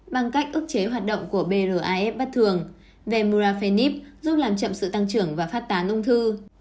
bằng cách ức chế hoạt động của braf bất thường về murafenef giúp làm chậm sự tăng trưởng và phát tán ung thư